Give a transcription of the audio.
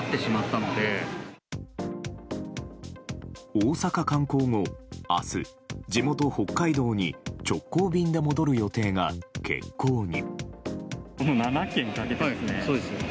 大阪観光後、明日地元・北海道に直行便で戻る予定が欠航に。